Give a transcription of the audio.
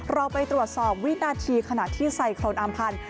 เราไปตรวจสอบวินาทีขณะที่ไซโครนอำพันธ์